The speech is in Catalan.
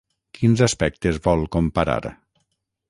Quins aspectes vol comparar?